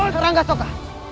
serang raga soka